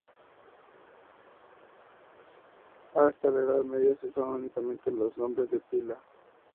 Hasta la Edad Media se usaban únicamente los nombres de pila.